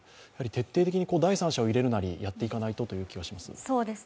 徹底して第三者を入れるなりしてやっていかないとという気がします。